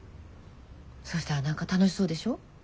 そしたら何か楽しそうでしょ。